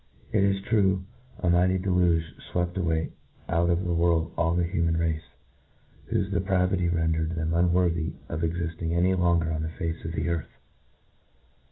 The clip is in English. It ' is tf ue, a mighty deluge fwept away out of the world all the humati race, whofc ^depravity ren dered them unworthy of exifting any, longer on the face of the earth.